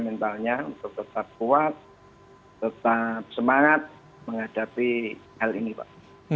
mentalnya untuk tetap kuat tetap semangat menghadapi hal ini pak